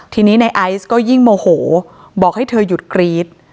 ทีนี้ในไอซ์ก็ยิ่งโมโหบอกให้เธอหยุดกรี๊ด